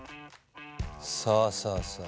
さあさあさあ。